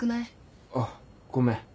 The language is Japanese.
あぁごめん。